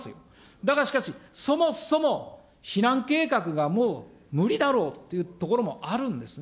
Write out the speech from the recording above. だがしかし、そもそも避難計画がもう無理だろうという所もあるんですね。